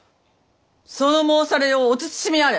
その申されようお慎みあれ！